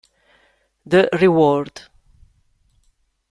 The Reward